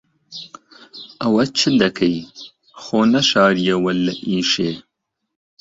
ئەوە چ دەکەی؟ خۆ نەشارییەوە لە ئیشێ.